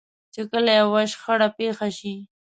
چې کله يوه شخړه پېښه شي.